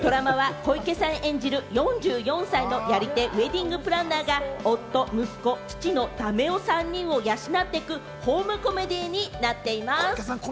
ドラマは小池さん演じる４４歳のやり手ウエディングプランナーが、夫、息子、父のダメ男３人を養っていくホームコメディになっています。